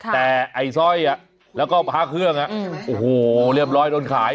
แต่ไอ้สร้อยแล้วก็พระเครื่องโอ้โหเรียบร้อยโดนขาย